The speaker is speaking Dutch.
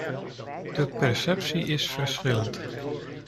De perceptie is verschillend.